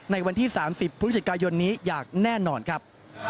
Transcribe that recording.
วันที่๓๐พฤศจิกายนนี้อย่างแน่นอนครับ